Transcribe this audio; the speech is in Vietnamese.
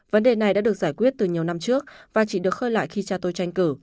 vấn đề này đã được giải quyết từ nhiều năm trước và chỉ được khơi lại khi cha tôi tranh cử